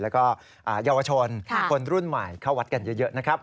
แล้วก็เยาวชนคนรุ่นใหม่เข้าวัดกันเยอะนะครับ